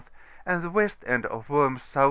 and the west end of ^Vorms S.S.